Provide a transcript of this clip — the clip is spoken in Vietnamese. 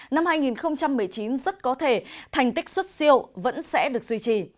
năm hai nghìn một mươi chín rất có thể thành tích xuất siêu vẫn sẽ được duy trì